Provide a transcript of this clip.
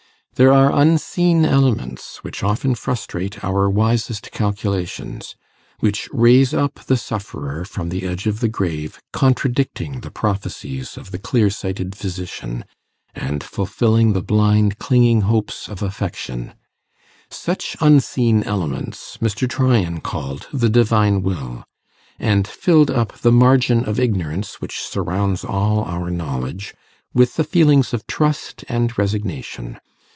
There are unseen elements which often frustrate our wisest calculations which raise up the sufferer from the edge of the grave, contradicting the prophecies of the clear sighted physician, and fulfilling the blind clinging hopes of affection; such unseen elements Mr. Tryan called the Divine Will, and filled up the margin of ignorance which surrounds all our knowledge with the feelings of trust and resignation.